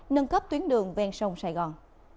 nâng cấp tuyến đường ven sông sài gòn